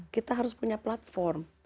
kita harus punya platform